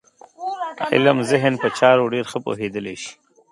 علم ذهن په چارو ډېر ښه پوهېدلی شي.